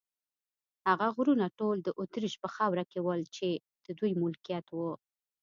هغه غرونه ټول د اتریش په خاوره کې ول، چې د دوی ملکیت و.